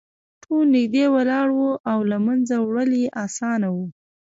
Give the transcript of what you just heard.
ټول نږدې ولاړ وو او له منځه وړل یې اسانه وو